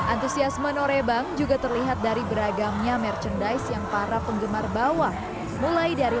antusiasme norebang juga terlihat dari beragamnya merchandise yang para penggemar bawah mulai dari